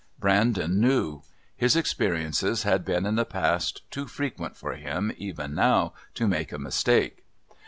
Brandon knew; his experiences had been in the past too frequent for him, even now, to make a mistake.